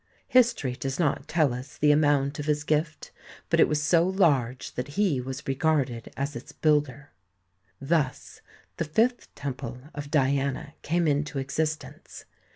History does not tell us the amount of his gift, but it was so large that he was THE TEMPLE OF DIANA 107 regarded as its builder. Thus the fifth temple of Diana came into existence.